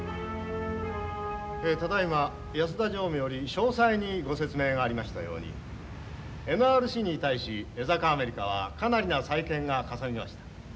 ただいま安田常務より詳細にご説明がありましたようにＮＲＣに対し江坂アメリカはかなりな債権がかさみました。